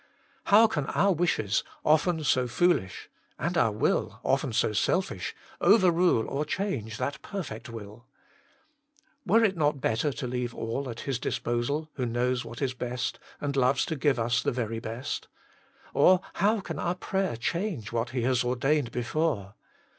How can our wishes, often so foolish, and our will, often so selfish, overrule or change that perfect will ? Were it not better to leave all to His disposal, who knows what is best, and loves to give us the very best ? Or how can our prayer change what He has ordained before?